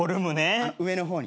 上の方にね。